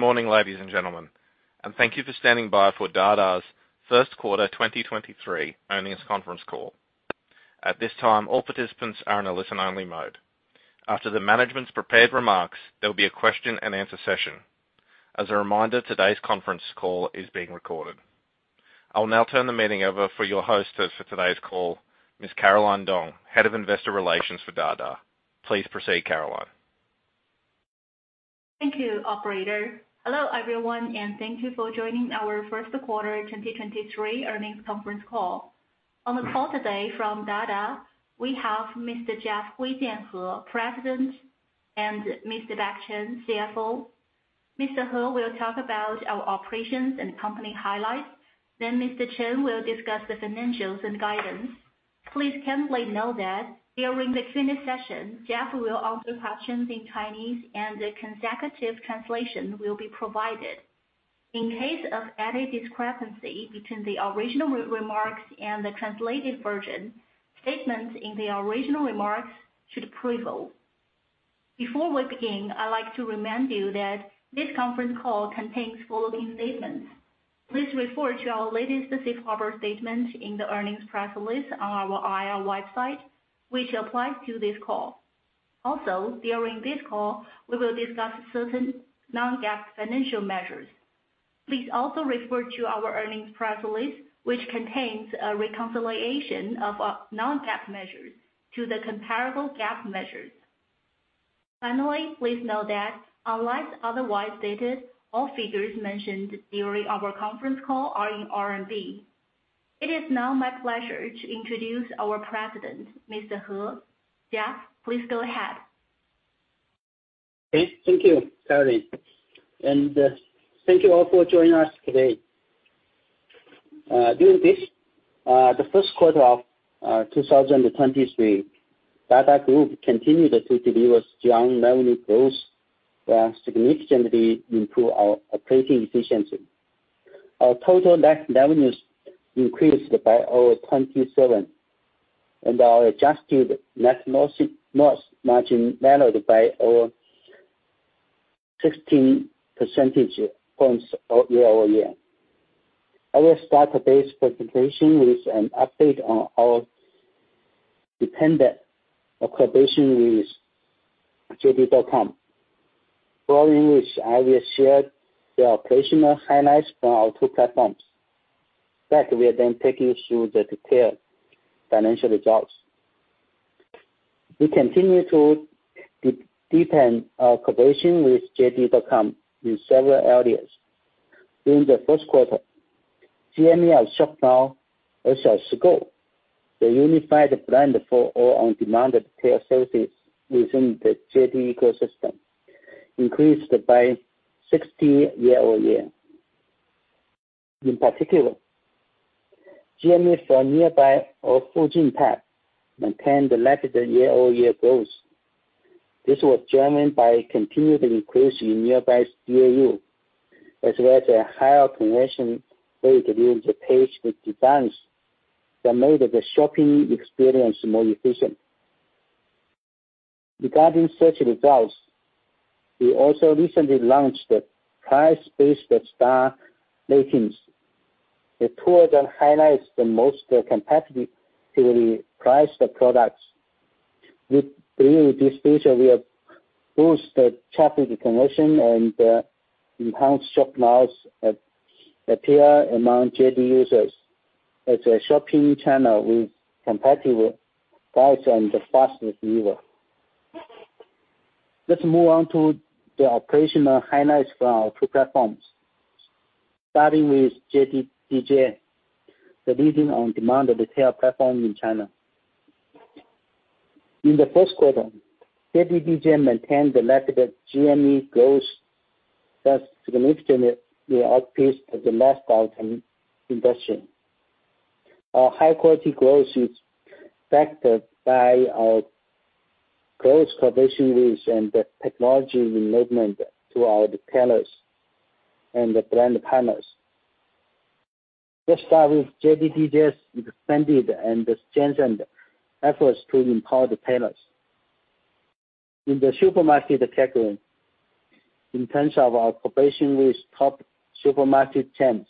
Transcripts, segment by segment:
Good morning, ladies and gentlemen, thank you for standing by for Dada's first quarter 2023 earnings conference call. At this time, all participants are in a listen-only mode. After the management's prepared remarks, there'll be a question and answer session. As a reminder, today's conference call is being recorded. I will now turn the meeting over for your host for today's call, Ms. Caroline Dong, Head of Investor Relations for Dada. Please proceed, Caroline. Thank you, operator. Hello, everyone, and thank you for joining our first quarter 2023 earnings conference call. On the call today from Dada Nexus, we have Mr. Jeff Hu Jianhang, President, and Mr. Beck Chen, CFO. Mr. Hu will talk about our operations and company highlights, then Mr. Chen will discuss the financials and guidance. Please kindly note that during the Q&A session, Jeff will answer questions in Chinese and the consecutive translation will be provided. In case of any discrepancy between the original remarks and the translated version, statements in the original remarks should prevail. Before we begin, I'd like to remind you that this conference call contains forward-looking statements. Please refer to our latest safe harbor statement in the earnings press release on our IR website, which applies to this call. Also, during this call, we will discuss certain non-GAAP financial measures. Please also refer to our earnings press release, which contains a reconciliation of our non-GAAP measures to the comparable GAAP measures. Finally, please note that unless otherwise stated, all figures mentioned during our conference call are in RMB. It is now my pleasure to introduce our president, Mr. Hu. Jeff, please go ahead. Okay, thank you, Caroline. Thank you all for joining us today. During this, the first quarter of 2023, Dada Group continued to deliver strong revenue growth, significantly improve our operating efficiency. Our total net revenues increased by over 27%, and our adjusted net loss margin narrowed by over 16 percentage points year-over-year. I will start today's presentation with an update on our dependent cooperation with JD.com, following which I will share the operational highlights from our two platforms. Jack will take you through the detailed financial results. We continue to deepen our cooperation with JD.com in several areas. During the first quarter, GMV of Shop Now, as our scope, the unified brand for all on-demand retail services within the JD ecosystem, increased by 60% year-over-year. In particular, GMV for Nearby or Fujin tab maintained rapid year-over-year growth. This was driven by continued increase in Nearby's DAU, as well as a higher conversion rate during the page with designs that made the shopping experience more efficient. Regarding such results, we also recently launched the price-based star ratings. The tool highlights the most competitively priced products. We believe this feature will boost the traffic conversion and enhance Shop Now's appeal among JD users as a shopping channel with competitive price and fast delivery. Let's move on to the operational highlights for our two platforms. Starting with JDDJ, the leading on-demand retail platform in China. In the first quarter, JDDJ maintained the rapid GMV growth that significantly outpaced the lifestyle industry. Our high quality growth is factored by our close cooperation with and the technology we movement to our retailers and the brand partners. Let's start with JDDJ's expanded and strengthened efforts to empower the partners. In the supermarket category, in terms of our cooperation with top supermarket chains,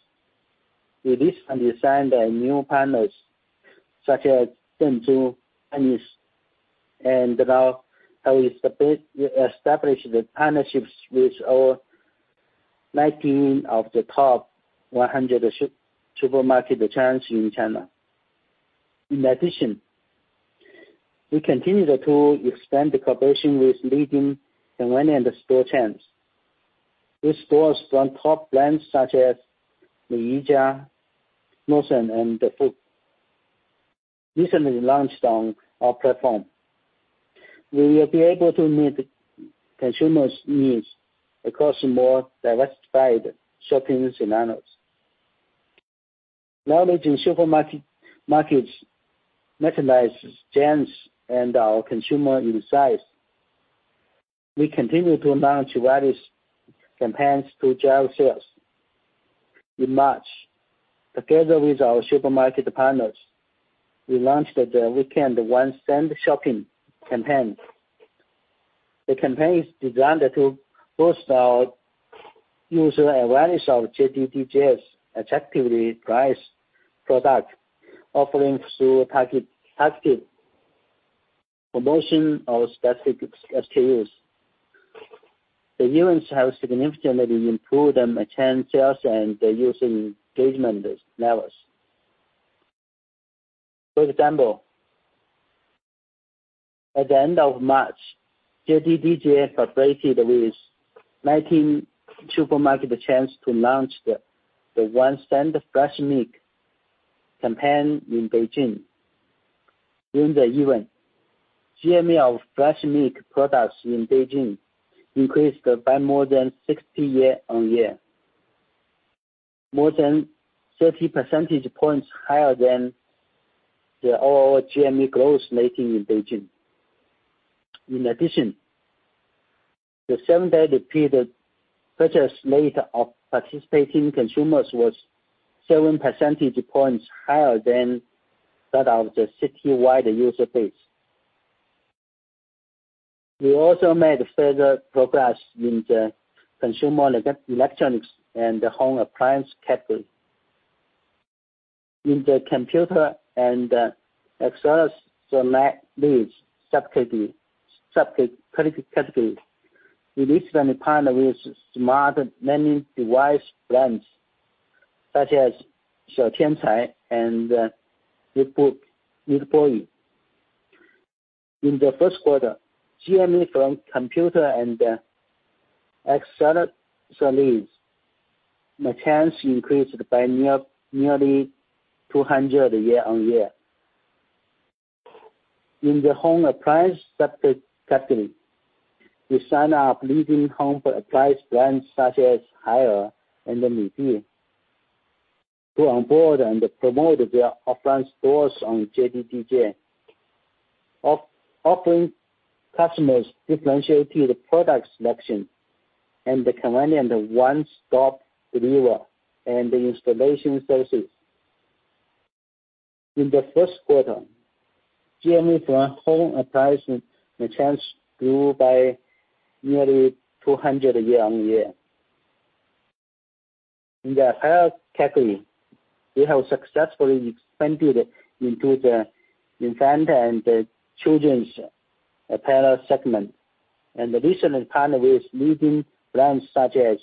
we recently signed a new partners such as Zhengzhou, Dennis and now have established partnerships with our 19 of the top 100 supermarket chains in China. We continue to expand the cooperation with leading convenient store chains. These stores from top brands such as Meiyijia, Lawson and FamilyMart recently launched on our platform. We will be able to meet consumers' needs across more diversified shopping scenarios. Managing supermarket, market's merchandise change and our consumer insights, we continue to launch various campaigns to drive sales. In March, together with our supermarket partners, we launched the Weekend One Cent Shopping campaign. The campaign is designed to boost our user awareness of JDDJ's attractively priced product offerings through targeted promotion of specific SKUs. The events have significantly improved merchant sales and user engagement levels. For example, at the end of March, JDDJ collaborated with 19 supermarket chains to launch the One Cent Fresh Milk campaign in Beijing. During the event, GMV of fresh milk products in Beijing increased by more than 60% year-on-year. More than 30 percentage points higher than the overall GMV growth rate in Beijing. In addition, the seven-day period purchase rate of participating consumers was 7 percentage points higher than that of the citywide user base. We also made further progress in the consumer electronics and home appliance category. In the computer and accessories subcategory, we recently partnered with smart learning device brands such as Xiaotiancai and Readboy. In the first quarter, GMV from computer and accessories merchants increased by nearly 200% year-on-year. In the home appliance subcategory, we signed up leading home appliance brands such as Haier and Midea to onboard and promote their offline stores on JDDJ, offering customers differentiated product selection and the convenient one-stop delivery and installation services. In the first quarter, GMA for home appliance merchants grew by nearly 200% year-on-year. In the apparel category, we have successfully expanded into the infant and children's apparel segment, and recently partnered with leading brands such as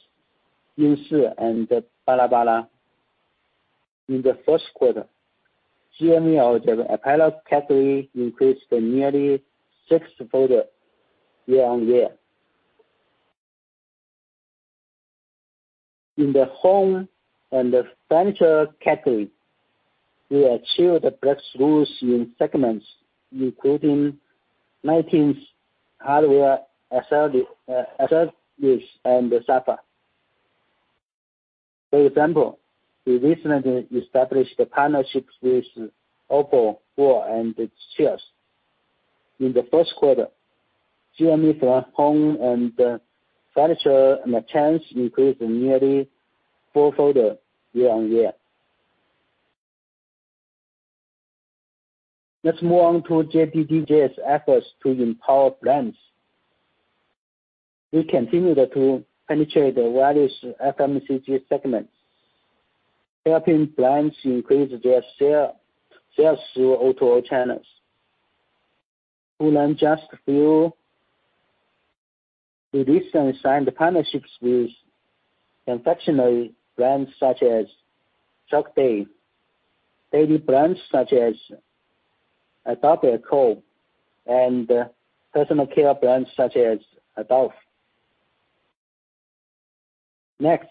Anshi and Balabala. In the first quarter, GMA of the apparel category increased nearly six-fold year-on-year. In the home and furniture category, we achieved breakthroughs in segments including lighting, hardware, accessories, and sofa. For example, we recently established partnerships with OPPLE, Huarun, and Chivas. In the first quarter, GMA for home and furniture merchants increased nearly four-fold year-on-year. Let's move on to JDDJ's efforts to empower brands. We continue to penetrate various FMCG segments, helping brands increase their sales through O2O channels. To name just a few, we recently signed partnerships with confectionery brands such as Chocday, baby brands such as Adoore, and personal care brands such as Adolph. Next,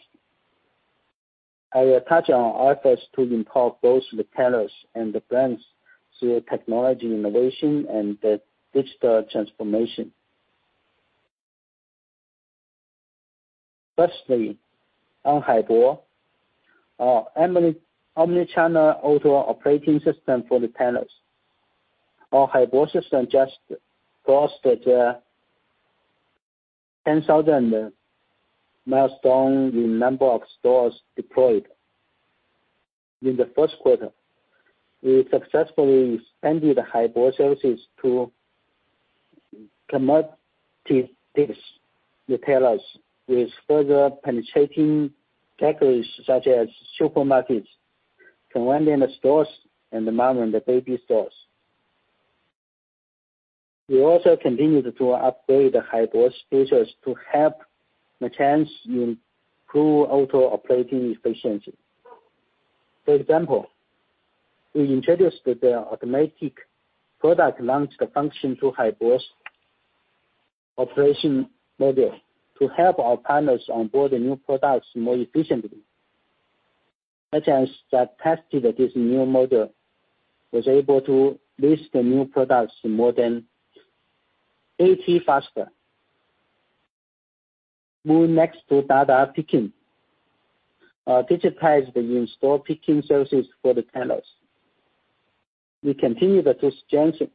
I will touch on our efforts to empower both retailers and the brands through technology innovation and digital transformation. Firstly, on Haibo, our omni-channel O2O operating system for retailers. Our Haibo system just crossed the 10,000 milestone in number of stores deployed. In the first quarter, we successfully expanded Haibo services to commodities retailers with further penetrating categories such as supermarkets, convenience stores, and mom and baby stores. We also continued to upgrade Haibo's features to help merchants improve O2O operating efficiency. For example, we introduced the automatic product launch function to Haibo's operation module to help our partners onboard new products more efficiently. Merchants that tested this new module was able to list the new products more than 80 faster. Moving next to Dada Picking, our digitized in-store picking services for retailers. We continue to strengthen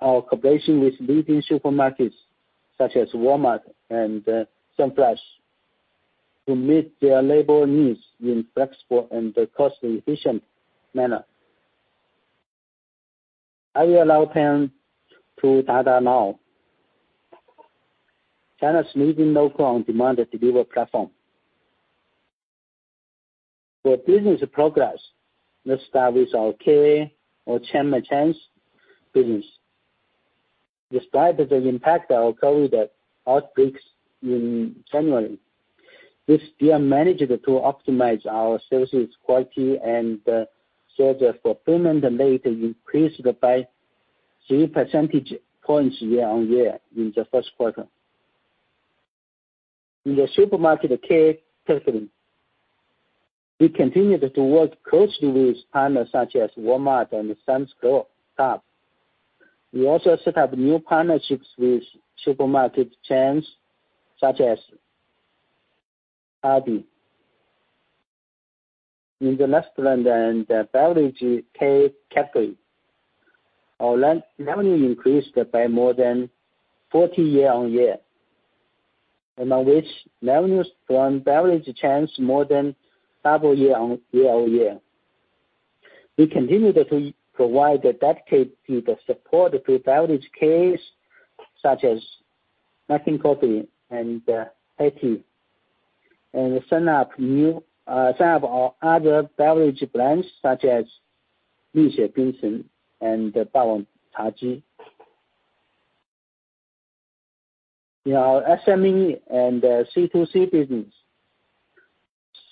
our collaboration with leading supermarkets such as Walmart and SunPlus to meet their labor needs in flexible and cost-efficient manner. I will now turn to Dada Now, China's leading on-demand delivery platform. For business progress, let's start with our K or chain merchants business. Despite the impact of COVID outbreaks in January, we still managed to optimize our services quality and search for payment late increased by 3 percentage points year-on-year in the first quarter. In the supermarket K category, we continued to work closely with partners such as Walmart and Sam's Club. We also set up new partnerships with supermarket chains such as Aldi. In the restaurant and beverage K category, our re-revenue increased by more than 40% year-on-year, among which revenues from beverage chains more than doubled year-on-year. We continue to provide a dedicated team of support to beverage Ks such as McCafé and Peet's Coffee, and sign up our other beverage brands such as Mixue Bingcheng and Chagee. In our SME and C2C business,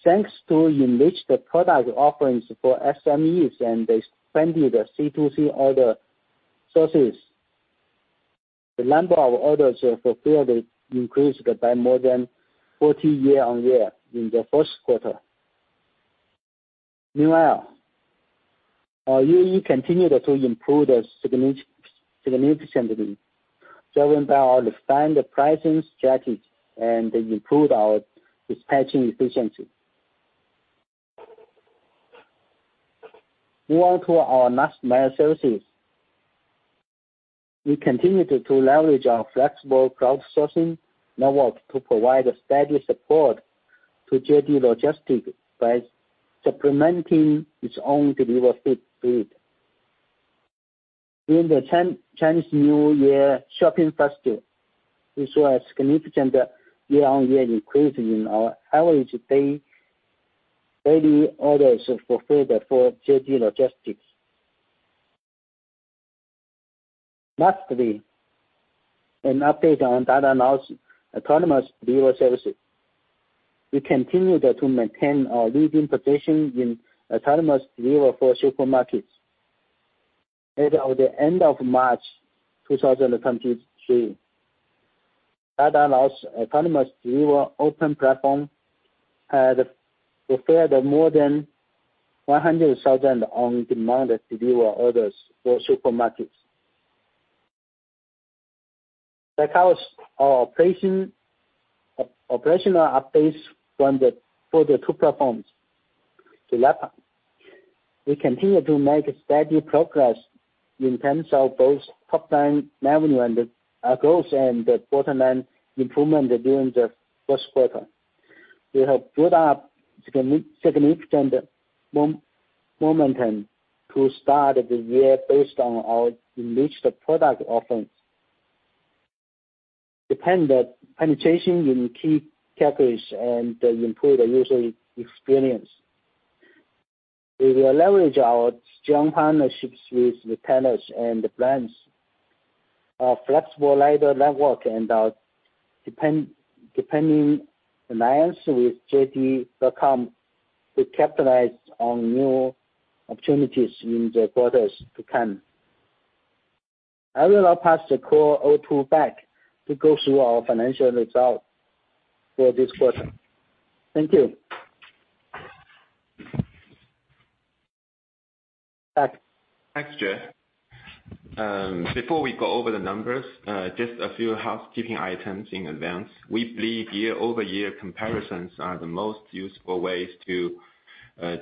thanks to enriched product offerings for SMEs and expanded C2C order sources, the number of orders fulfilled increased by more than 40% year-on-year in the first quarter. Meanwhile, our UE continued to improve significantly, driven by our refined pricing strategy and improved our dispatching efficiency. Moving on to our last mile services. We continued to leverage our flexible crowdsourcing network to provide steady support to JD Logistics by supplementing its own delivery fleet. In the Chinese New Year shopping festival, we saw a significant year-on-year increase in our average daily orders fulfilled for JD Logistics. Lastly, an update on Dada Now's autonomous delivery services. We continued to maintain our leading position in autonomous delivery for supermarkets. As of the end of March 2023, Dada Now's autonomous delivery open platform had fulfilled more than 100,000 on-demand delivery orders for supermarkets. That covers our operational updates for the two platforms. We continue to make steady progress in terms of both top line revenue and growth and bottom line improvement during the first quarter. We have built up significant momentum to start the year based on our enriched product offerings. Depend the penetration in key categories and improve the user experience. We will leverage our strong partnerships with retailers and brands, our flexible rider network and our depending alliance with JD.com to capitalize on new opportunities in the quarters to come. I will now pass the call to Back to go through our financial results for this quarter. Thank you. Back. Thanks, Jeff. Before we go over the numbers, just a few housekeeping items in advance. We believe year-over-year comparisons are the most useful ways to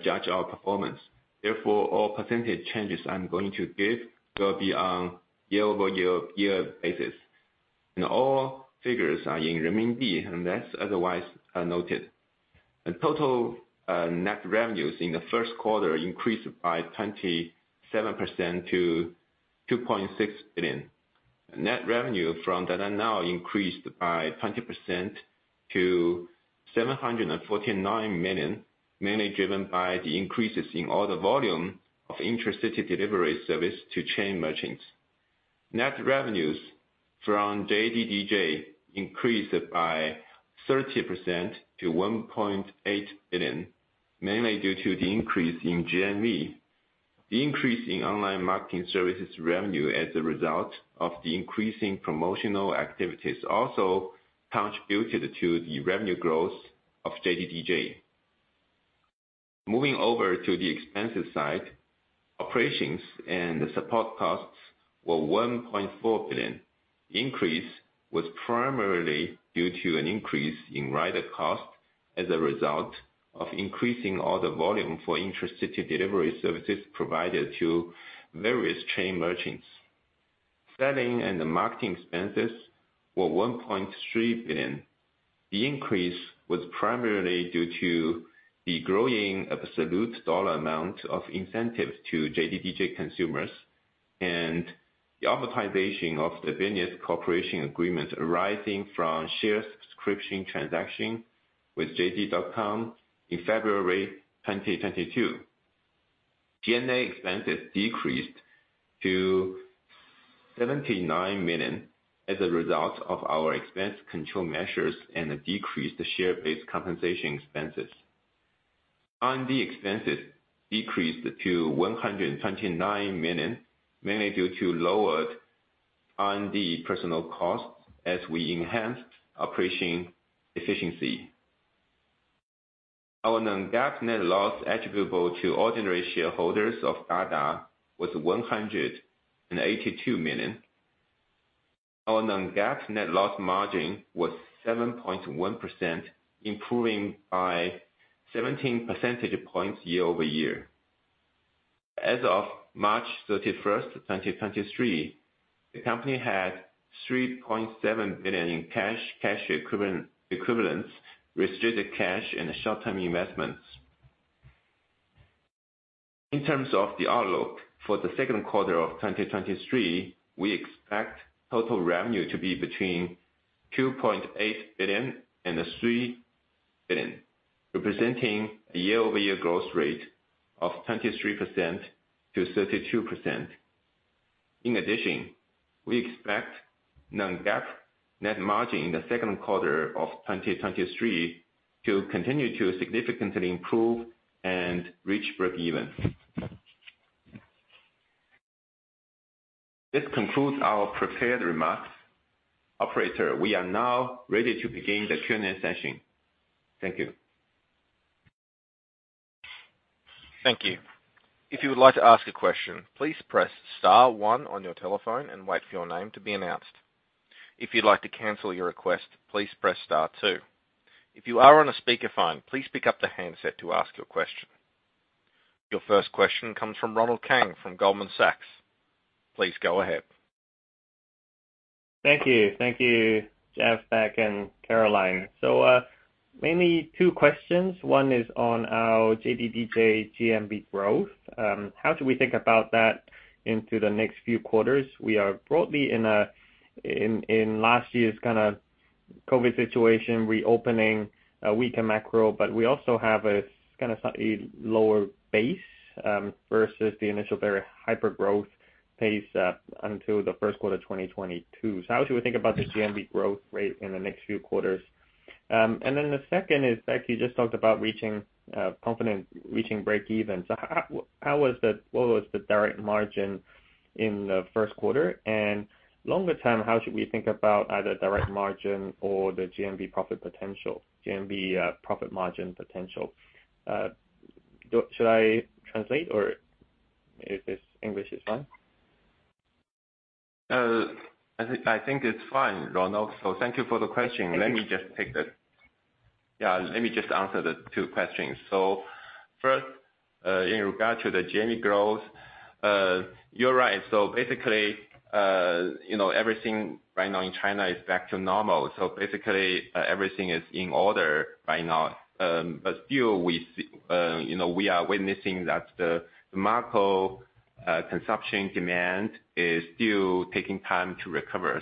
judge our performance. Therefore, all percentage changes I'm going to give will be on year-over-year basis. All figures are in renminbi unless otherwise noted. The total net revenues in the first quarter increased by 27% to 2.6 billion. Net revenue from Dada Now increased by 20% to 749 million, mainly driven by the increases in order volume of intracity delivery service to chain merchants. Net revenues from JDDJ increased by 30% to 1.8 billion, mainly due to the increase in GMV. The increase in online marketing services revenue as a result of the increasing promotional activities also contributed to the revenue growth of JDDJ. Moving over to the expensive side, operations and support costs were 1.4 billion. Increase was primarily due to an increase in rider cost as a result of increasing all the volume for intracity delivery services provided to various chain merchants. Selling and the marketing expenses were 1.3 billion. The increase was primarily due to the growing absolute dollar amount of incentives to JDDJ consumers and the amortization of the Business Cooperation Agreement arising from share subscription transaction with JD.com in February 2022. G&A expenses decreased to 79 million as a result of our expense control measures and a decreased share-based compensation expenses. R&D expenses decreased to 129 million, mainly due to lowered R&D personnel costs as we enhanced operation efficiency. Our non-GAAP net loss attributable to ordinary shareholders of Dada was 182 million. Our non-GAAP net loss margin was 7.1%, improving by 17 percentage points year-over-year. As of March 31, 2023, the company had 3.7 billion in cash equivalents, restricted cash and short-term investments. In terms of the outlook for the second quarter of 2023, we expect total revenue to be between 2.8 billion and 3 billion, representing a year-over-year growth rate of 23%-32%. In addition, we expect non-GAAP net margin in the second quarter of 2023 to continue to significantly improve and reach breakeven. This concludes our prepared remarks. Operator, we are now ready to begin the Q&A session. Thank you. Thank you. If you would like to ask a question, please press star one on your telephone and wait for your name to be announced. If you'd like to cancel your request, please press star two. If you are on a speakerphone, please pick up the handset to ask your question. Your first question comes from Ronald Keung from Goldman Sachs. Please go ahead. Thank you. Thank you, Jeff, Beck and Caroline. Mainly two questions. One is on our JDDJ GMV growth. How do we think about that into the next few quarters? We are broadly in last year's kind of COVID situation, reopening a weaker macro, but we also have a kind of slightly lower base versus the initial very hyper growth pace until the first quarter 2022. How should we think about the GMV growth rate in the next few quarters? The second is, Beck, you just talked about reaching confidence, reaching breakeven. What was the direct margin in the first quarter? Longer term, how should we think about either direct margin or the GMV profit potential? GMV profit margin potential? Should I translate or if it's English, it's fine? I think, I think it's fine, Ronald. Thank you for the question. Let me just answer the two questions. First, in regard to the GMV growth, you're right. Basically, you know, everything right now in China is back to normal. Basically, everything is in order by now. But still we, you know, we are witnessing that the macro consumption demand is still taking time to recover.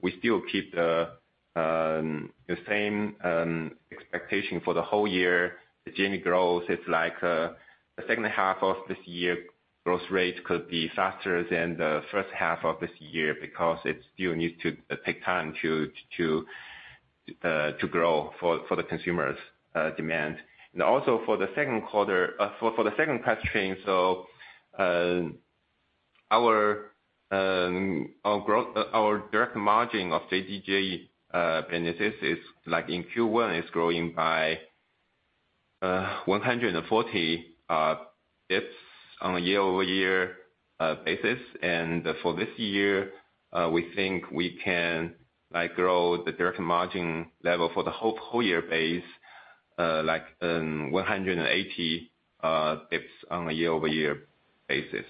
We still keep the same expectation for the whole year. The GMV growth is like the second half of this year, growth rate could be faster than the first half of this year because it still needs to take time to grow for the consumers demand. Also for the second quarter. For the second question, our growth, our direct margin of JDDJ businesses is like in Q1 is growing by 140 bps on a year-over-year basis. For this year, we think we can, like, grow the direct margin level for the whole year base, like, 180 bps on a year-over-year basis.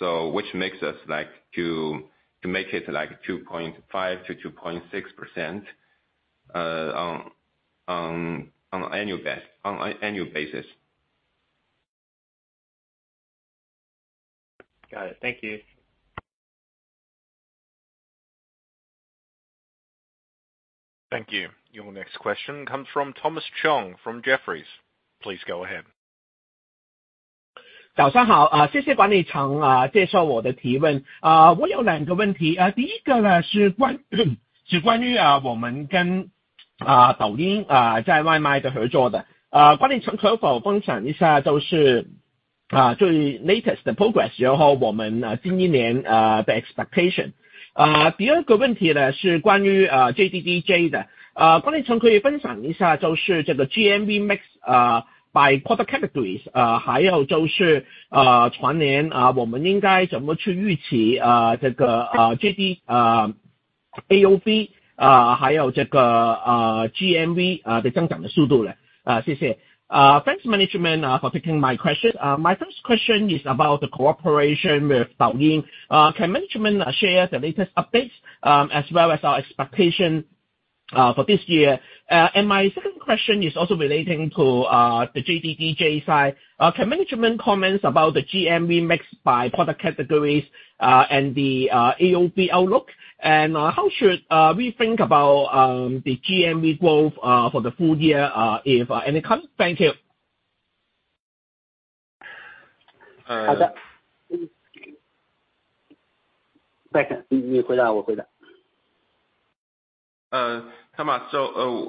Which makes us like to make it to like 2.5%-2.6% on annual base, on an annual basis. Got it. Thank you. Thank you. Your next question comes from Thomas Chong from Jefferies. Please go ahead. Good morning. Thank you management for taking my question. I have two questions. The first one is about our cooperation with Douyin on take-out. Management, could you share with us the latest progress and our expectation for this year? The second question is about JDDJ. Management, could you share with us the GMV mix by product categories? And also, for the whole year, how should we expect this JDDJ AOV, 还有这 个, GMV, 增长的速度 呢, 谢 谢. Thanks management for taking my question. My first question is about the cooperation with 抖 音. Can management share the latest updates as well as our expectation for this year? My second question is also relating to the JDDJ side. Can management comments about the GMV mixed by product categories, and the AOV outlook? How should we think about the GMV growth for the full year, if any come? Thank you. 好的。你， 你回 答， 我回答。Thomas,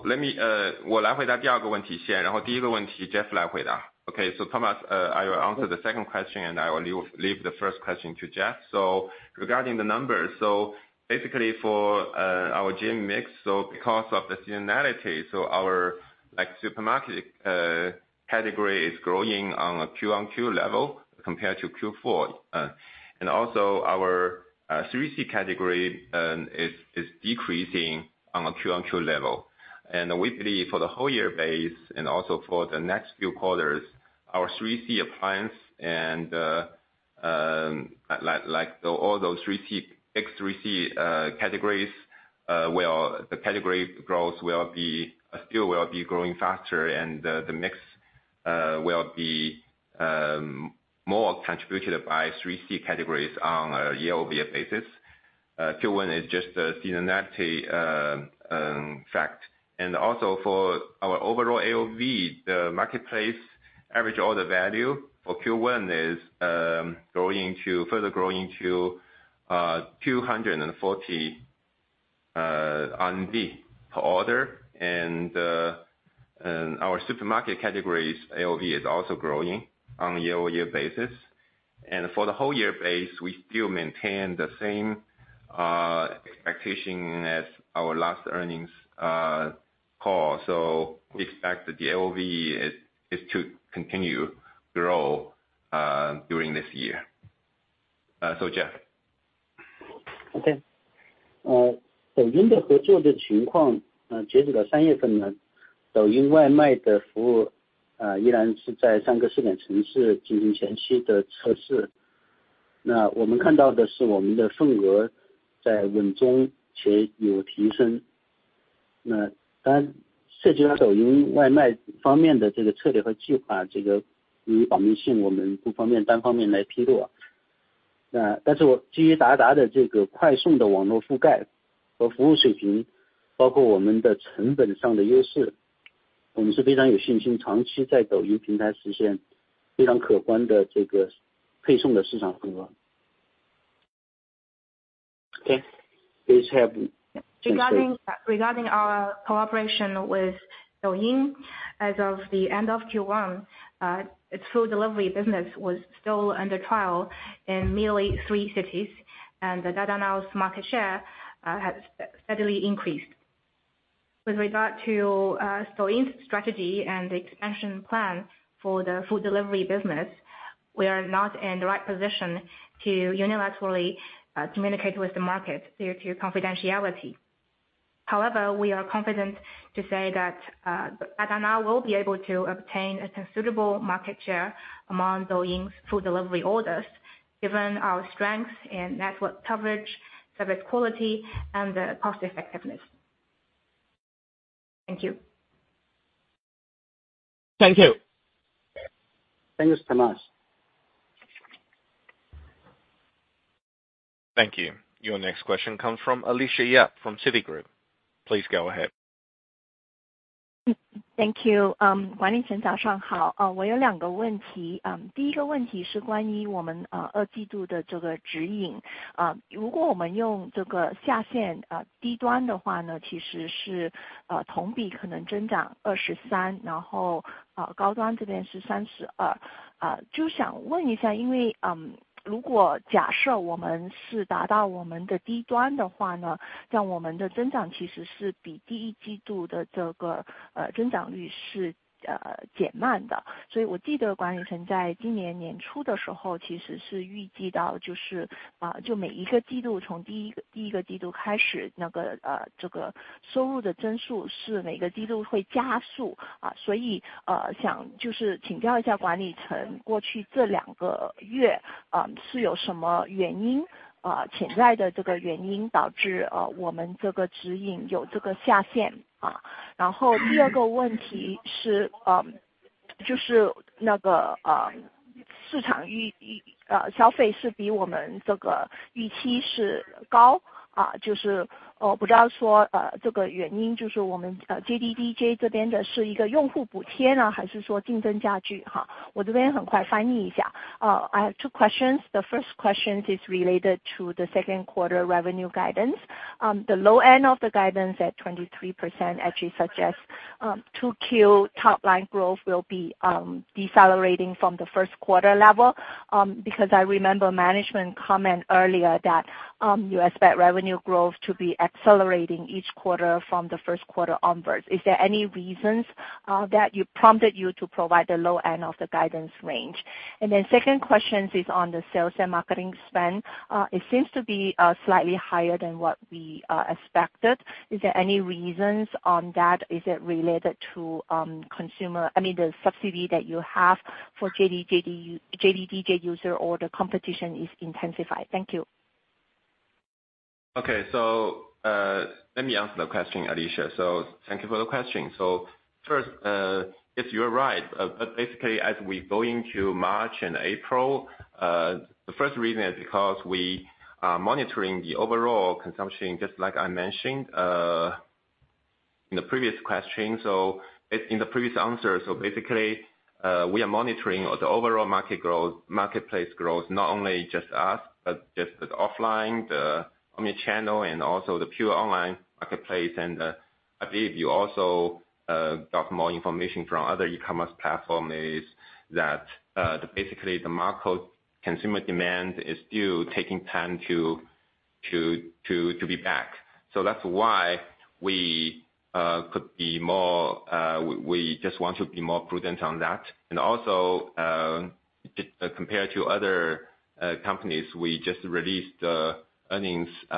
let me 我来回答第二个问题 先， 然后第一个问题 Jeff 来回 答. Okay, Thomas, I will answer the second question, and I will leave the first question to Jeff. Regarding the numbers, basically for our GM mix, because of the seasonality, our like supermarket category is growing on a Q-on-Q level compared to Q4. Also our 3C category is decreasing on a Q-on-Q level. We believe for the whole year base and also for the next few quarters, our 3C appliance and like all those 3C, ex 3C categories, the category growth will still be growing faster. The mix will be more contributed by 3C categories on a year-over-year basis. Q1 is just a seasonality fact. Also for our overall AOV, the marketplace average order value for Q1 is further growing to 240 RMB per order. Our supermarket categories AOV is also growing on a year-over-year basis. For the whole year base, we still maintain the same expectation as our last earnings call. We expect the AOV is to continue grow during this year. Jeff. Okay。呃， 抖音的合作的情 况， 呃， 截止到三月份 呢， 抖音外卖的服 务， 呃， 依然是在三个试点城市进行前期的测试。那我们看到的是我们的份额在稳中且有提升。那当然涉及到抖音外卖方面的这个策略和计 划， 这个由于保密 性， 我们不方便单方面来披露。那但是我基于达达的这个快送的网络覆盖和服务水 平， 包括我们的成本上的优 势， 我们是非常有信心长期在抖音平台实现非常可观的这个配送的市场份额。Okay. Please. Regarding our cooperation with Douyin, as of the end of Q1, its food delivery business was still under trial in merely three cities, and the Dada Now's market share has steadily increased. With regard to Douyin's strategy and the expansion plan for the food delivery business, we are not in the right position to unilaterally communicate with the market due to confidentiality. However, we are confident to say that Dada Now will be able to obtain a considerable market share among Douyin's food delivery orders, given our strength and network coverage, service quality, and cost effectiveness. Thank you. Thank you. Thanks, Thomas. Thank you. Your next question comes from Alicia Yap from Citigroup. Please go ahead. Thank you。嗯， 管理层早上 好， 呃， 我有两个问题。嗯， 第一个问题是关于我 们， 呃， 二季度的这个指引。呃， 如果我们用这个下 限， 呃， 低端的话 呢， 其实 是， 呃， 同比可能增长二十 三， 然 后， 呃， 高端这边是三十二。呃， 就想问一 下， 因 为， 嗯， 如果假设我们是达到我们的低端的话 呢， 那我们的增长其实是比第一季度的这 个， 呃， 增长率是， 呃， 减慢的。所以我记得管理层在今年年初的时 候， 其实是预计到就 是， 呃， 就每一个季 度， 从第一 个， 第一个季度开 始， 那 个， 呃， 这个收入的增速是每个季度会加 速， 啊。所 以， 呃， 想就是请教一下管理 层， 过去这两个 月， 呃， 是有什么原 因， 呃， 潜在的这个原因导 致， 呃， 我们这个指引有这个下 限， 啊。然后第二个问题 是， 呃， 就是那 个， 呃， 市场预-预-- 呃， 消费是比我们这个预期是 高， 啊， 就 是， 呃， 不知道 说， 呃， 这个原因就是我 们， 呃 ，JDDJ 这边的是一个用户补贴 呢， 还是说竞争加剧 哈？ 我这边很快翻译一下。Uh, I have two questions. The first question is related to the second quarter revenue guidance. The low end of the guidance at 23% actually suggests 2Q top line growth will be decelerating from the first quarter level. I remember management comment earlier that you expect revenue growth to be accelerating each quarter from the first quarter onwards. Is there any reasons that you prompted you to provide the low end of the guidance range? Second question is on the sales and marketing spend. It seems to be slightly higher than what we expected. Is there any reasons on that? Is it related to, I mean, the subsidy that you have for JDDJ user or the competition is intensified? Thank you. Okay. Let me answer the question, Alicia. Thank you for the question. First, yes, you're right. Basically as we go into March and April, the first reason is because we are monitoring the overall consumption, just like I mentioned in the previous question, in the previous answer. Basically, we are monitoring the overall market growth-- marketplace growth, not only just us, but just the offline, the omni-channel and also the pure online marketplace. I believe you also got more information from other e-commerce platform is that basically the market consumer demand is still taking time to be back. That's why we could be more, we just want to be more prudent on that. Compared to other companies, we just released earnings in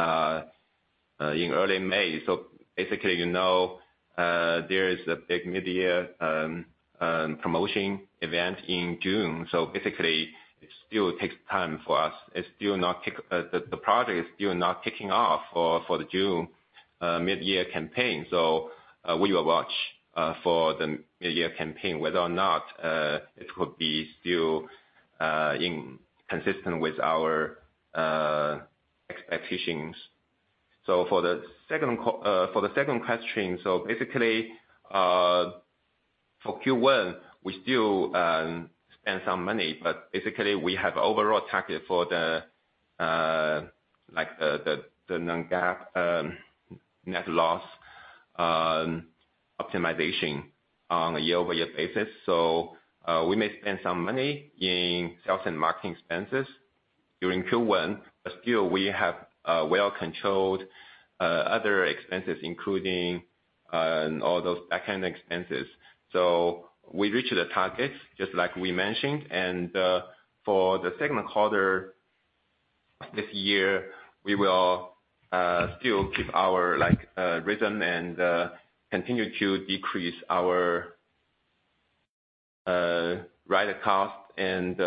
early May. You know, there is a big mid-year promotion event in June. It still takes time for us. The project is still not kicking off for the June mid-year campaign. We will watch for the mid-year campaign whether or not it could be still in consistent with our expectations. For the second question, for Q1, we still spend some money, but basically we have overall target for the non-GAAP net loss optimization on a year-over-year basis. We may spend some money in sales and marketing expenses during Q1, but still we have well-controlled other expenses including all those backend expenses. We reach the targets just like we mentioned. For the second quarter this year, we will still keep our like rhythm and continue to decrease our rider cost and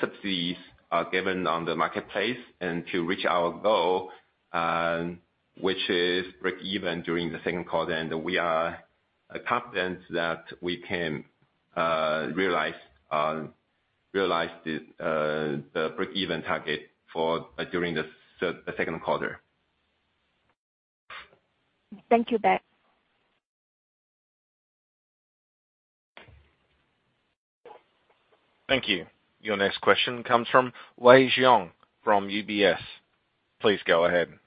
subsidies given on the marketplace and to reach our goal, which is breakeven during the second quarter. We are confident that we can realize the breakeven target for during the second quarter. Thank you, Beck. Thank you. Your next question comes from Wei Xiong from UBS. Please go ahead.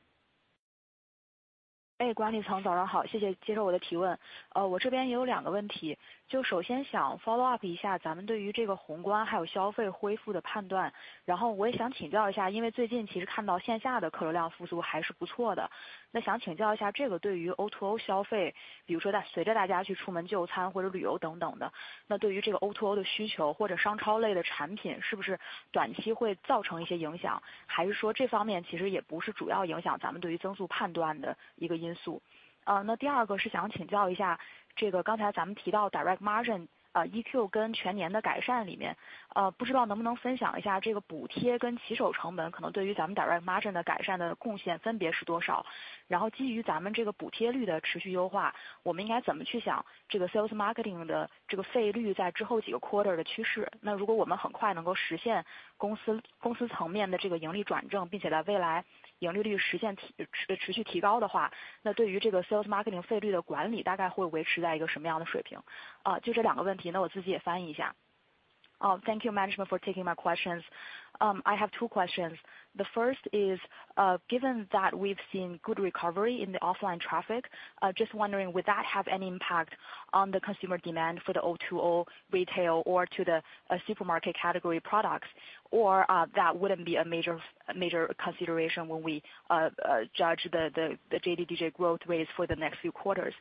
Thank you management for taking my questions. I have two questions. The first is, given that we've seen good recovery in the offline traffic, just wondering, would that have any impact on the consumer demand for the O2O retail or to the supermarket category products? That wouldn't be a major consideration when we judge the JDDJ growth rates for the next few quarters?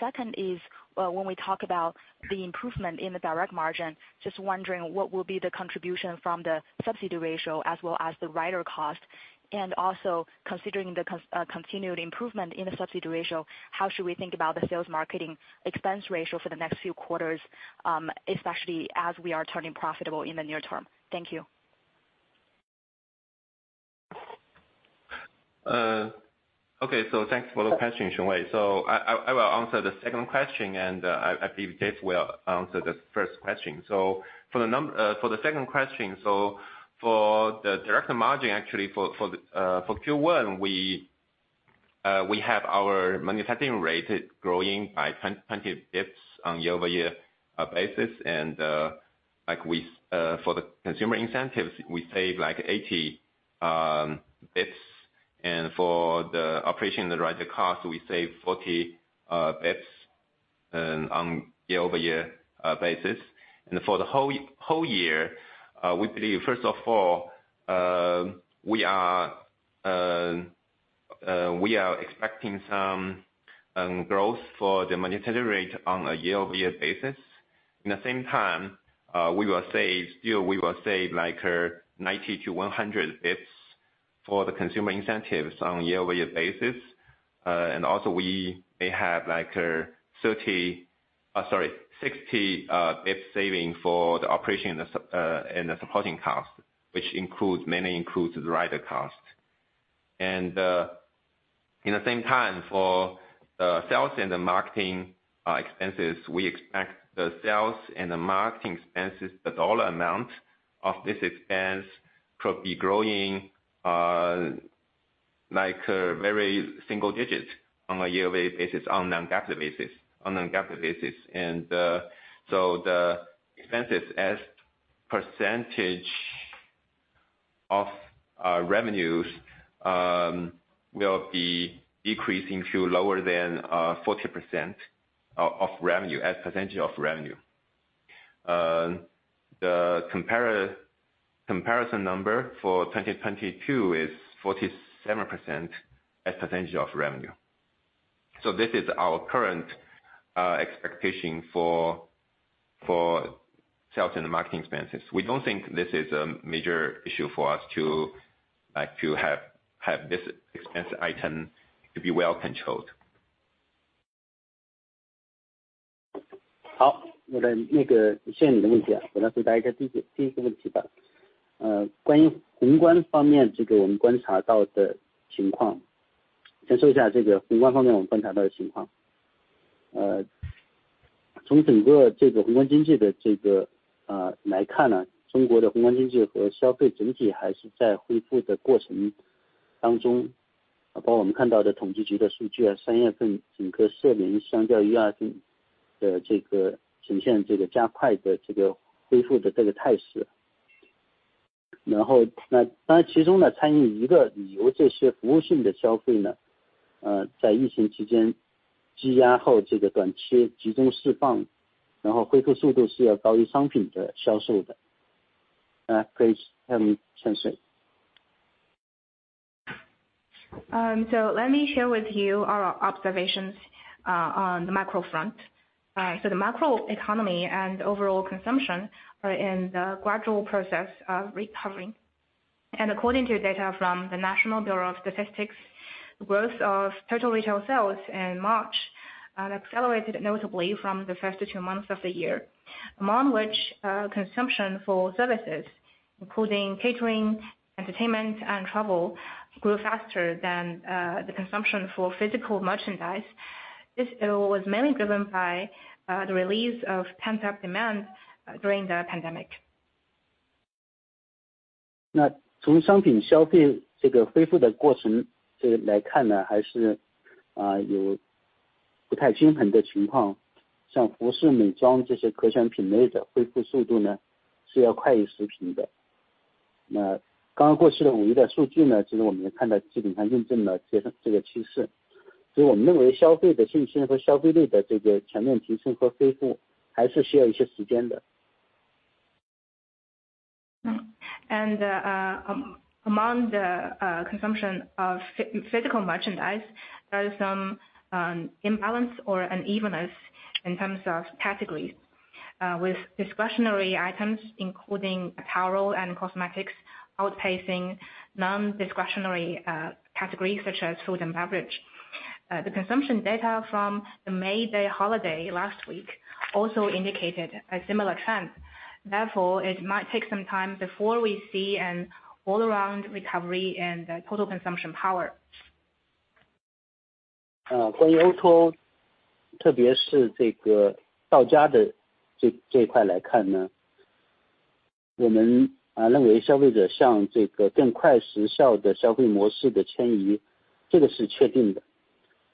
Second is, when we talk about the improvement in the direct margin, just wondering what will be the contribution from the subsidy ratio as well as the rider cost? Also considering the continued improvement in the subsidy ratio, how should we think about the sales marketing expense ratio for the next few quarters, especially as we are turning profitable in the near term? Thank you. Okay. Thanks for the question, Xiong Wei. I will answer the second question and I believe Dave will answer the first question. For the second question, for the direct margin actually for the for Q1, we have our monetizing rate growing by 10, 20 bips on year-over-year basis. Like we for the consumer incentives, we save like 80 bips, and for the operation, the rider cost, we save 40 bips on year-over-year basis. For the whole year, we believe, first of all, we are expecting some growth for the monetizing rate on a year-over-year basis. In the same time, we will save, still we will save like 90-100 basis points for the consumer incentives on year-over-year basis. Also, we may have like 30, sorry, 60 basis points saving for the operation and the supporting costs, which includes, mainly includes the rider costs. In the same time for sales and marketing expenses, we expect the sales and marketing expenses, the dollar amount of this expense could be growing like very single digits on year-over-year basis, on non-GAAP basis. So the expenses as percentage of our revenues will be decreasing to lower than 40% of revenue, as a percentage of revenue. The comparison number for 2022 is 47% as a percentage of revenue. This is our current expectation for sales and marketing expenses. We don't think this is a major issue for us to have this expense item to be well controlled. 好， 我的那 个， 谢谢你的问题啊。我来回答一下第一 个， 第一个问题吧。uh, 关于宏观方 面， 这个我们观察到的情况。先说一下这个宏观方面我们观察到的情况。呃， 从整个这个宏观经济的这 个， 呃， 来看 呢， 中国的宏观经济和消费整体还是在恢复的过程当 中， 包括我们看到的统计局的数据 啊， 三月份整个社零相较于二月的这 个， 呈现这个加快的这个恢复的这个态势。然 后， 那当然其中 呢， 参与一个理 由， 这些服务性的消费 呢， 呃， 在疫情期间积压 后， 这个短期集中释 放， 然后恢复速度是要高于商品的销售的。Uh, Grace help me translate. Let me share with you our observations on the macro front. The macro economy and overall consumption are in the gradual process of recovering. According to data from the National Bureau of Statistics, growth of total retail sales in March accelerated notably from the first two months of the year. Among which, consumption for services, including catering, entertainment and travel, grew faster than the consumption for physical merchandise. This was mainly driven by the release of pent-up demand during the pandemic. 那从商品消费这个恢复的过程这个来看 呢， 还 是， 啊， 有不太均衡的情 况， 像服饰、美妆这些可选品类的恢复速度 呢， 是要快于食品的。那刚刚过去的五一的数据 呢， 其实我们也看到基本上印证了这 个， 这个趋势。所以我们认为消费的信心和消费力的这个全面提升和恢复还是需要一些时间的。Among the consumption of physical merchandise, there is some imbalance or unevenness in terms of categories, with discretionary items, including apparel and cosmetics, outpacing non-discretionary categories such as food and beverage. The consumption data from the May Day holiday last week also indicated a similar trend. It might take some time before we see an all around recovery in the total consumption power. 关于 O2O， 特别是这个到家的这一块来看 呢， 我们认为消费者向这个更快时效的消费模式的迁 移， 这个是确定的。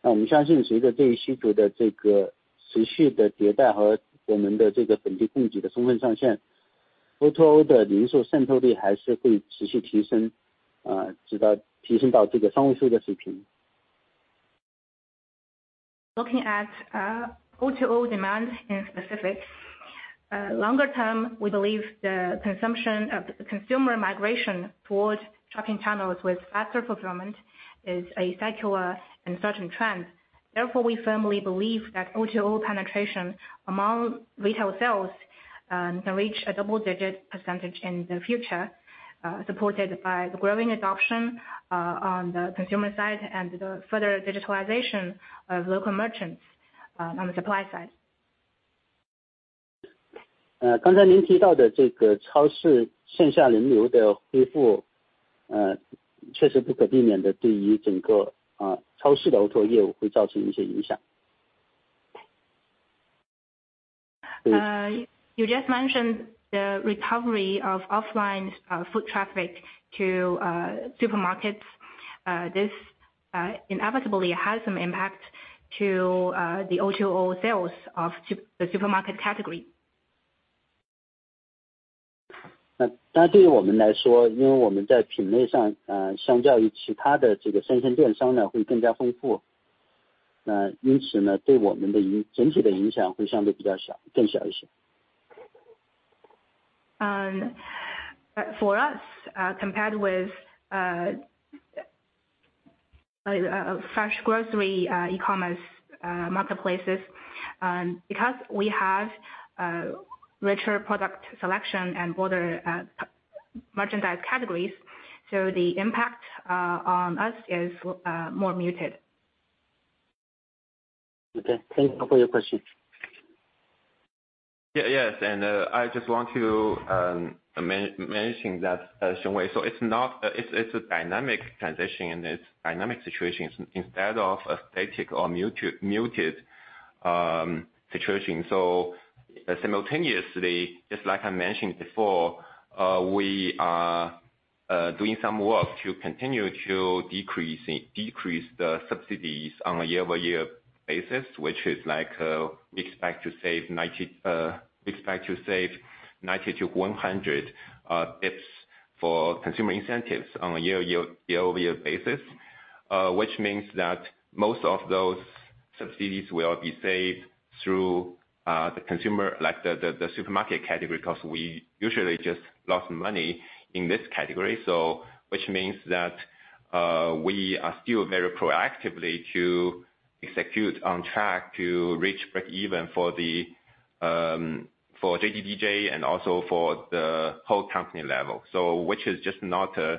我们相信随着对于需求的这个持续的迭代和我们的这个本地供给的充分上线， O2O 的零售渗透率还是会持续提 升， 直到提升到这个三位数的水平。Looking at O2O demand in specific. Longer term, we believe consumer migration towards shopping channels with faster fulfillment is a secular and certain trend. Therefore, we firmly believe that O2O penetration among retail sales can reach a double-digit percentage in the future, supported by the growing adoption on the consumer side and the further digitalization of local merchants on the supply side. 刚才您提到的这个超市线下人流的恢 复, 确实不可避免地对于整 个, 超市的 O2O 业务会造成一些影 响. You just mentioned the recovery of offline foot traffic to supermarkets. This inevitably has some impact to the O2O sales of the supermarket category. 那当然对于我们来 说， 因为我们在品类 上， 呃， 相较于其他的这个生鲜电商 呢， 会更加丰 富， 那因此 呢， 对我们的影--整体的影响会相对比较 小， 更小一些。For us, compared with fresh grocery e-commerce marketplaces, because we have richer product selection and broader Merchandise categories, the impact on us is more muted. Okay. Thank you for your question. Yes. I just want to mention that Xiong Wei. It's a dynamic transition and it's dynamic situation instead of a static or muted situation. Simultaneously, just like I mentioned before, we are doing some work to continue to decrease the subsidies on a year-over-year basis, which is like, we expect to save 90, we expect to save 90-100 bps for consumer incentives on a year-over-year basis. Which means that most of those subsidies will be saved through the consumer, like, the supermarket category, 'cause we usually just lost money in this category, which means that we are still very proactively to execute on track to reach break even for JDDJ and also for the whole company level. Which is just not a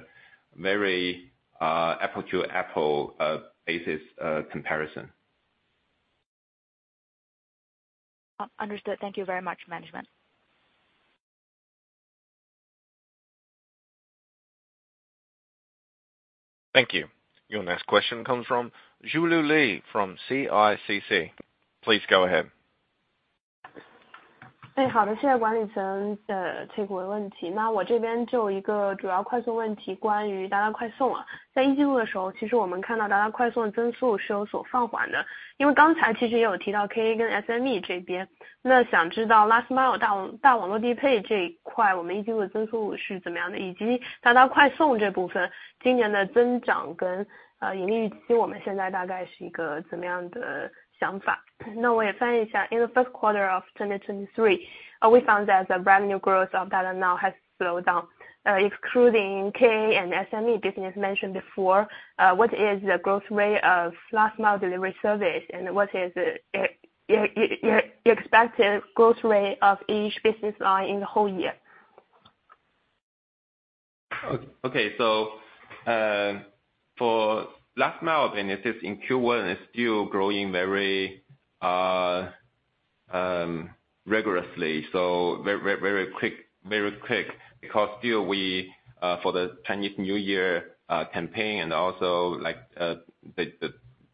very, apple to apple, basis, comparison. Understood. Thank you very much, management. Thank you. Your next question comes from Julie Lee from CICC. Please go ahead. Hey, how do you say it when you turn the table windy? Now what you've been doing a quick one to go on you that I quite soon. They easy to go show. He's woman kinda that I quite soon since Sue so far when the you know gone tied to JIO Tido K again SME JB in the Santiago to Las Mayo down down low D pay J quite woman easy to do since Sue she's a man. Did you that I quite soon. Jabun for king in the June John again. You need to we want say that guy she could tell me on the sound far know Wei Fang. In the first quarter of 2023, we found that the revenue growth of Dada Now has slowed down. Excluding KA and SME business mentioned before, what is the growth rate of last mile delivery service and what is your expected growth rate of each business line in the whole year? For last mile benefits in Q1 is still growing very rigorously. Very quick because still we for the Chinese New Year campaign and also like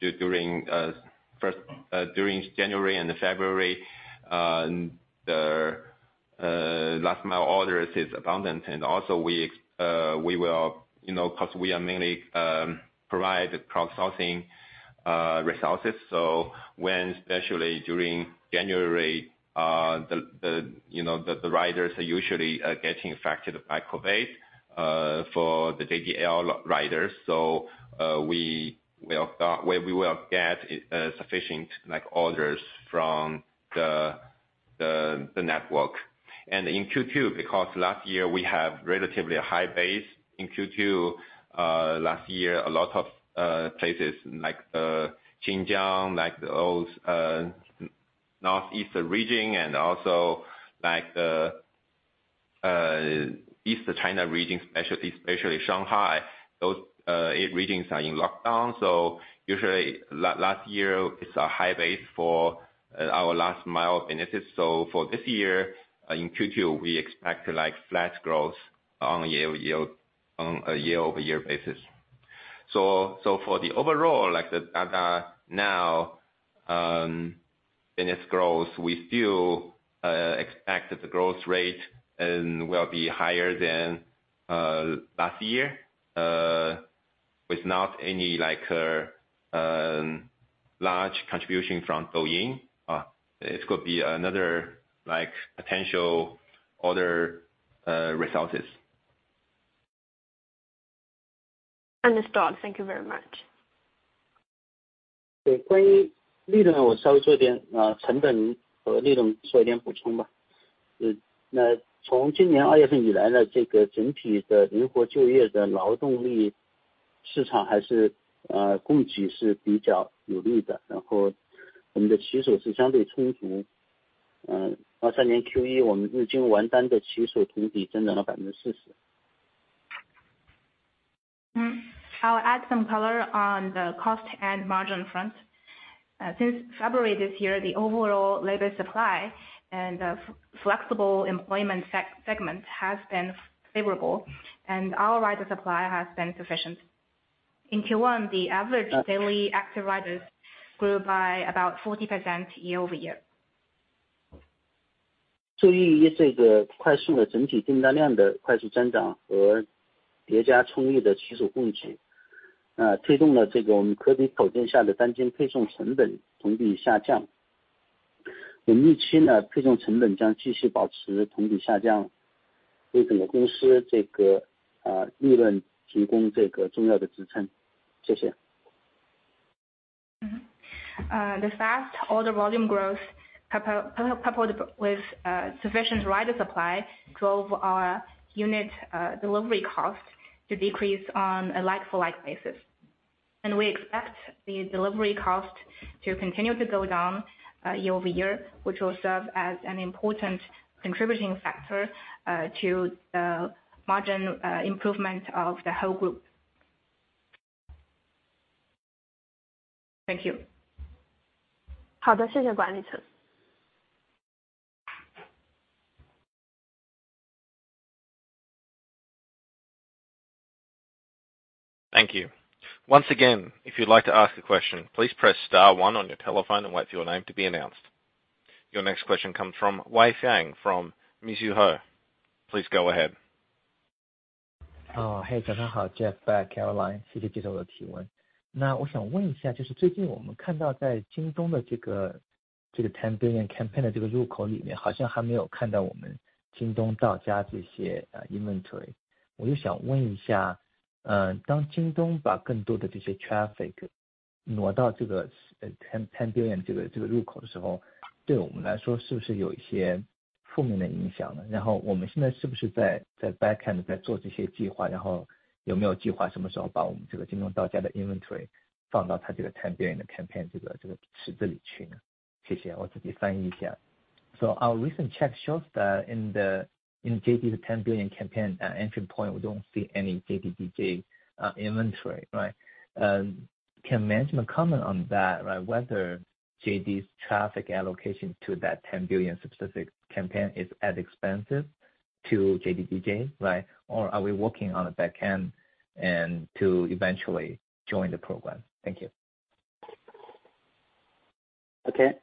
during January and February the last mile orders is abundant. We will, you know, 'cause we are mainly provide crowdsourcing resources. When especially during January, you know, riders are usually getting affected by COVID for the JDL riders. We will get sufficient like orders from the network. In Q2, because last year we have relatively a high base in Q2, last year, a lot of places like Xinjiang, like those Northeast region and also like East of China region, especially Shanghai, those eight regions are in lockdown. Usually last year is a high base for our last mile benefits. For this year, in Q2, we expect like flat growth on a year-over-year basis. For the overall like the Dada Now business growth, we still expect that the growth rate will be higher than last year, with not any like large contribution from Douyin. It could be another like potential other resources. Understood. Thank you very much. I'll add some color on the cost and margin front. Since February this year, the overall labor supply and flexible employment segment has been favorable and our rider supply has been sufficient. In Q1, the average daily active riders grew by about 40% year-over-year. The fast order volume growth coupled with sufficient rider supply drove our unit delivery costs to decrease on a like-for-like basis. We expect the delivery cost to continue to go down, year-over-year, which will serve as an important contributing factor, to the margin, improvement of the whole group. Thank you. Thank you. Once again, if you'd like to ask a question, please press star one on your telephone and wait for your name to be announced. Your next question comes from Wei Fang from Mizuho. Please go ahead. Oh, hey. Jeff back, Caroline. Our recent check shows that in JD, the 10 billion campaign entry point, we don't see any JDDJ inventory, right? Can management comment on that, right? Whether JD's traffic allocation to that 10 billion specific campaign is as expensive to JDDJ, right? Are we working on the back end and to eventually join the program? Thank you. Okay.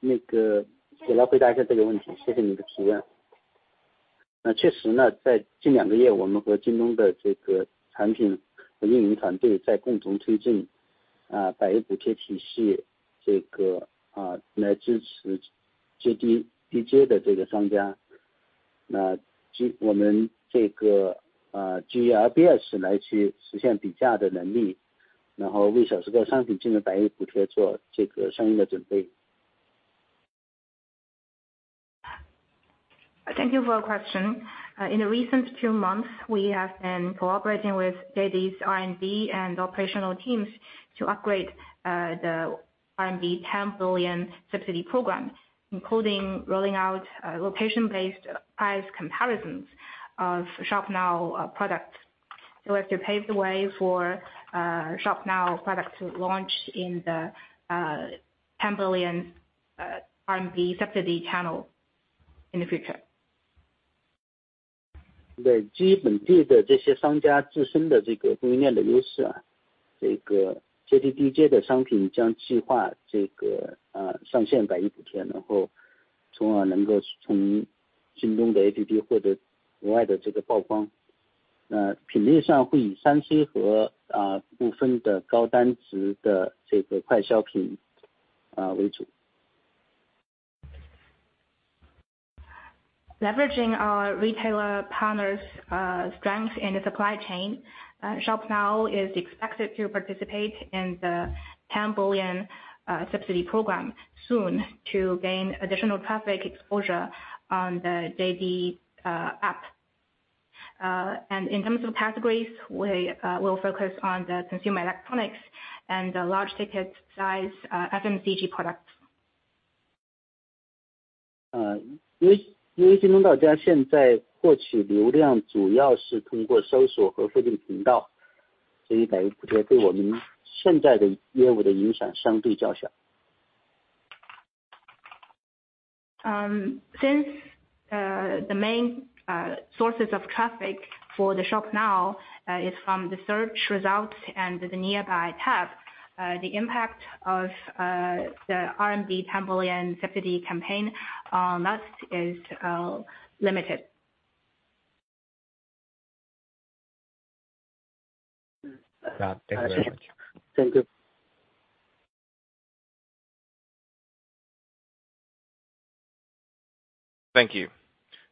Thank you for your question. In the recent two months, we have been cooperating with JD's R&D and operational teams to upgrade the R&D 10 billion subsidy program, including rolling out location-based price comparisons of Shop Now products. As to pave the way for Shop Now products to launch in the 10 billion R&D subsidy channel in the future. Leveraging our retailer partners, strength in the supply chain, Shop Now is expected to participate in the 10 billion subsidy program soon to gain additional traffic exposure on the JD app. In terms of categories, we will focus on the consumer electronics and the large ticket size FMCG products. Since the main sources of traffic for the ShopNow is from the search results and the Nearby tab, the impact of the R&D 10 billion subsidy campaign last is limited. Thank you very much. Thank you. Thank you.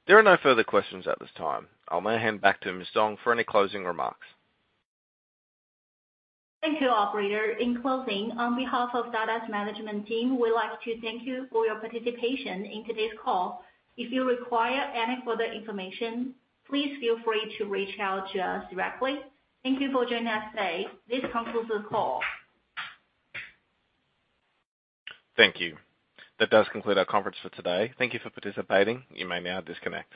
There are no further questions at this time. I'll now hand back to Caroline Dong for any closing remarks. Thank you, operator. In closing, on behalf of Dada's management team, we'd like to thank you for your participation in today's call. If you require any further information, please feel free to reach out to us directly. Thank you for joining us today. This concludes the call. Thank you. That does conclude our conference for today. Thank you for participating. You may now disconnect.